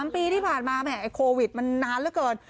๒๓ปีที่ผ่านมาโควิดมันนานแล้วเกิน